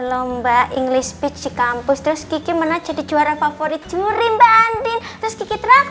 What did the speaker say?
lomba engly speech di kampus terus kiki mana jadi juara favorit juri mbak andin terus kikit